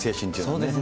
そうですね。